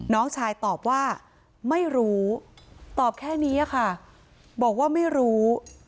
น้องชายตอบว่าไม่รู้ตอบแค่นี้ค่ะบอกว่าไม่รู้